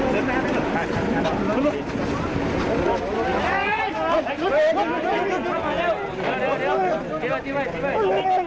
สวัสดีครับทุกคน